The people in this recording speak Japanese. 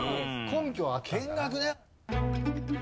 根拠は見学ね。